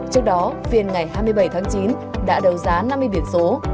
trước đó phiên ngày hai mươi bảy tháng chín đã đầu giá năm mươi biển số